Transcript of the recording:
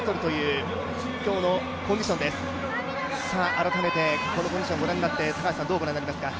改めてこのコンディションをどうご覧になりますか？